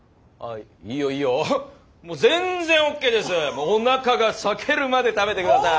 もうおなかが裂けるまで食べて下さい。